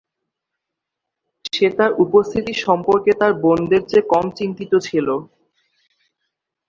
সে তাঁর উপস্থিতি সম্পর্কে তাঁর বোনদের চেয়ে কম চিন্তিত ছিল।